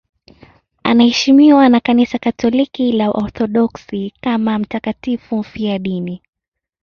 Anaheshimiwa na Kanisa Katoliki na Waorthodoksi kama mtakatifu mfiadini.